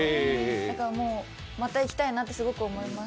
だからもう、また行きたいなってすごく思います。